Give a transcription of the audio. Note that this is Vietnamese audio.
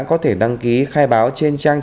có thể đăng ký khai báo trên trang